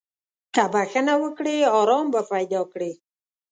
که بخښنه وکړې، ارام به پیدا کړې.